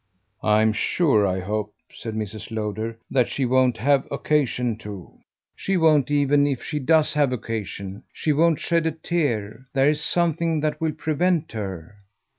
"I'm sure I hope," said Mrs. Lowder, "that she won't have occasion to." "She won't even if she does have occasion. She won't shed a tear. There's something that will prevent her."